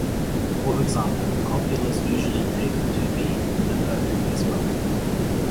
For example, copulas usually take "to be" in the perfect as well.